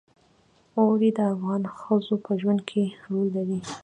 اوړي د افغان ښځو په ژوند کې رول لري.